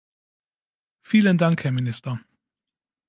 Vielen Dank Herr Minister.